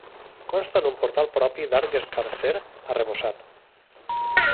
Consta d'un portal propi d'arc escarser arrebossat.